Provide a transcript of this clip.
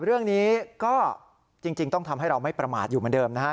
เรื่องนี้ก็จริงต้องทำให้เราไม่ประมาทอยู่เหมือนเดิมนะฮะ